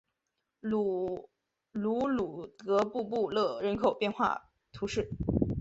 卢鲁德布布勒人口变化图示